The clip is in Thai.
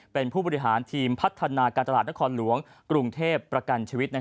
เป็นผู้บริหารทีมพัฒนาการตลาดนครหลวงกรุงเทพประกันชีวิต